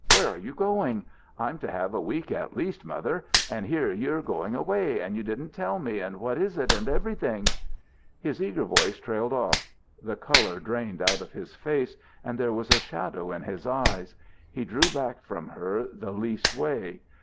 Where are you going? I'm to have a week at least, Mother; and here you're going away, and you didn't tell me, and what is it, and everything?" His eager voice trailed off. The colour drained out of his face and there was a shadow in his eyes. He drew back from her the least way.